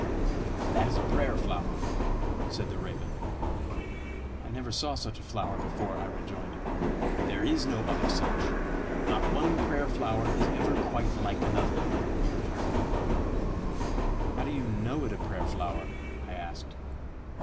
"That is a prayer flower," said the raven. "I never saw such a flower before!" I rejoined. "There is no other such. Not one prayer flower is ever quite like another," he returned. "How do you know it a prayer flower?" I asked.